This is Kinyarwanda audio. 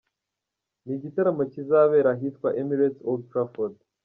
Ni igitaramo kizabera ahitwa Emirates Old Trafford.